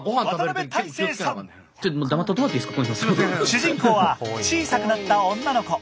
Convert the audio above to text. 主人公は小さくなった女の子。